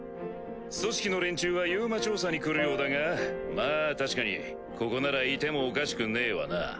組織の連中はＵＭＡ調査に来るようだがまあ確かにここならいてもおかしくねぇわな。